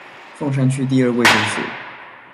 鳳山區第二衛生所